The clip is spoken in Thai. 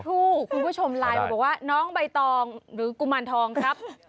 เมื่อสักครู่คุณผู้ชมไลน์มาบอกว่าน้องใบตองหรือกุมารทองครับ